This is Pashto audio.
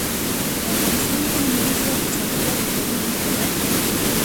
افغانستان کې لمریز ځواک د چاپېریال د تغیر نښه ده.